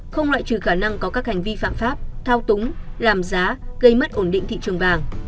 không loại trừ khả năng có các hành vi phạm pháp thao túng làm giá gây mất ổn định thị trường vàng